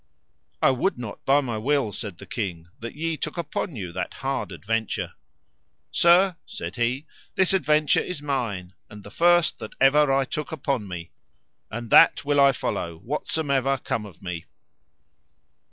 I would not by my will, said the king, that ye took upon you that hard adventure. Sir, said he, this adventure is mine, and the first that ever I took upon me, and that will I follow whatsomever come of me.